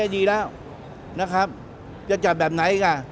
อย่างนี้อย่างนี้เดี๋ยวจะจัดแบบไหนก่อน